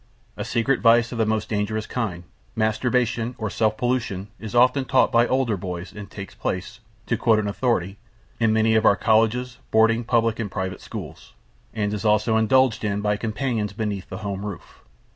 A secret vice of the most dangerous kind, masturbation or self pollution is often taught by older boys and takes place, to quote an authority "in many of our colleges, boarding, public and private schools," and is also indulged in by companions beneath the home roof.